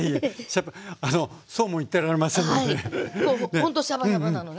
ほんとシャバシャバなのね。